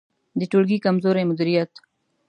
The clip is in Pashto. د ټولګي کمزوری مدیریت